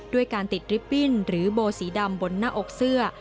ด้วยการติดริปบิ้นหรือโบสีดำบนหน้าอกเสื้อ